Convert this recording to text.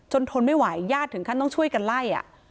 ทนไม่ไหวญาติถึงขั้นต้องช่วยกันไล่